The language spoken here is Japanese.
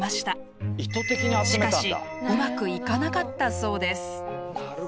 しかしうまくいかなかったそうです。